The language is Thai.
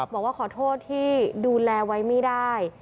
บอกว่าขอโทษที่ดูแลไว้ไม่ได้